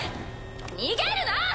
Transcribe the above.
逃げるな！